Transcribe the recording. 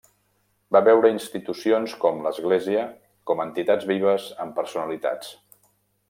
Va veure institucions com l'Església com entitats vives amb personalitats.